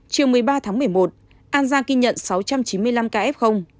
chiều một mươi ba tháng một mươi một an giang ghi nhận sáu trăm chín mươi năm ca f